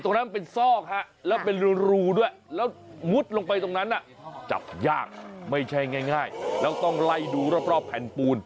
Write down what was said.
ตรงนั้นเป็นซอกฮะแล้วเป็นรูด้วยแล้วมุดลงไปตรงนั้นจับยากไม่ใช่ง่ายแล้วต้องไล่ดูรอบแผ่นปูน